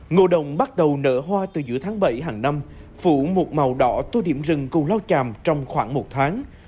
ngộ đồng bắt đầu nở hoa từ giữa tháng bảy hàng năm phủ một màu đỏ tô điểm rừng cù lao chàm trong khoảng một tháng